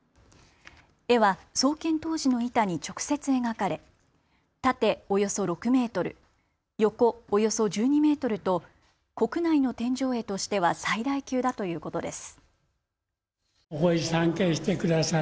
絵は創建当時の板に直接描かれ縦およそ６メートル、横およそ１２メートルと国内の天井絵としては最大級だということです。